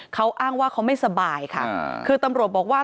เขาอ้างว่าเขาไม่สบายค่ะคือตำรวจบอกว่า